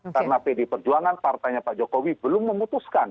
karena pd perjuangan partainya pak jokowi belum memutuskan